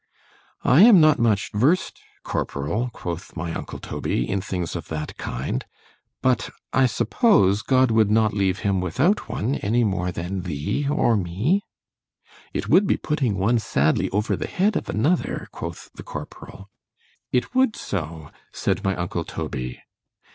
I am not much versed, corporal, quoth my uncle Toby, in things of that kind; but I suppose, God would not leave him without one, any more than thee or me—— ——It would be putting one sadly over the head of another, quoth the corporal. It would so; said my uncle _Toby.